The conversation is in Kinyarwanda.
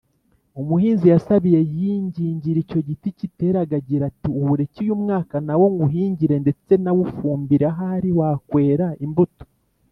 umuhinzi yasabiye yingingira icyo giti kiteraga agira ati: ‘uwureke uyu mwaka nawo, nywuhingire ndetse nawufumbire, ahari wakwera imbuto